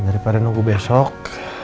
daripada nunggu besok